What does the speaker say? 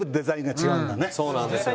そうなんですよ。